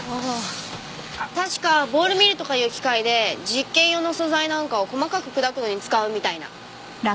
確かボールミルとかいう機械で実験用の素材なんかを細かく砕くのに使うみたいな。